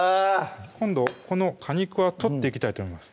今度この果肉は取っていきたいと思います